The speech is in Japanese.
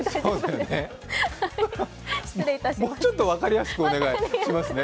もうちょっと分かりやすくお願いしますね。